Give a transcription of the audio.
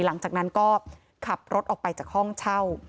หลังจากนั้นก็ขับรถออกไปจากห้องเช่า